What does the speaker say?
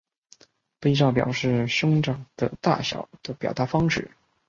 罩杯是表示胸罩的大小的表示方式。